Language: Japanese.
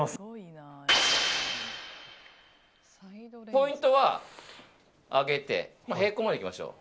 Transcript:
ポイントは上げて平行までいきましょう。